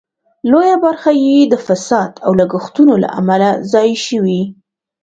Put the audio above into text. لویه برخه یې د فساد او لګښتونو له امله ضایع شوې.